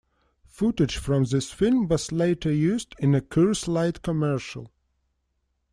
Footage from this film was later used in a Coors Light commercial.